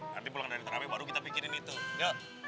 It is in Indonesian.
nanti pulang dari terawet baru kita pikirin itu yuk